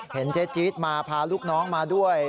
เห็นเจ๊จี๊ดมาพาลูกน้องมาด้วย